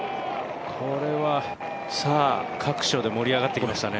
さあ、各所で盛り上がってきましたね。